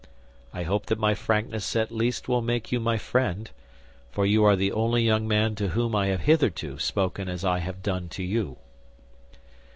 I hope that my frankness at least will make you my friend; for you are the only young man to whom I have hitherto spoken as I have done to you."